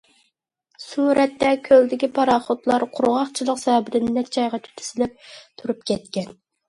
سۈرەتتە كۆلدىكى پاراخوتلار قۇرغاقچىلىق سەۋەبىدىن نەچچە ئايغىچە تىزىلىپ تۇرۇپ كەتكەن.